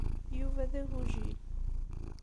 Yuba d agujil.